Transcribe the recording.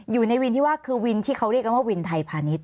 อยู่ในวินที่ว่าคือวินที่เขาเรียกกันว่าวินไทยพาณิชย